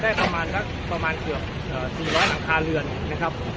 ที่พื้นที่ได้ประมาณเกือบ๔๐๐หลังคาเรือนนะครับ